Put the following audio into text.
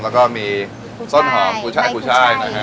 แล้วก็มีส้นหอมกุ้งชายนะครับ